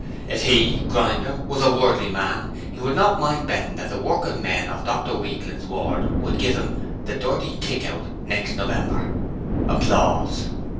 If he (Grinder) was a wordly man, he would not mind betting that the workin' men of Dr Weakling's ward would give him 'the dirty kick out' next November.